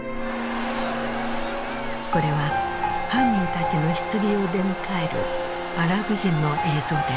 これは犯人たちの棺を出迎えるアラブ人の映像である。